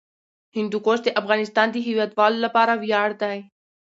هندوکش د افغانستان د هیوادوالو لپاره ویاړ دی.